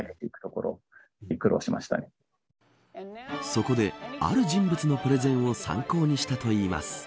そこで、ある人物のプレゼンを参考にしたといいます。